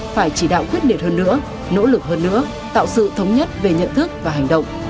phải chỉ đạo quyết liệt hơn nữa nỗ lực hơn nữa tạo sự thống nhất về nhận thức và hành động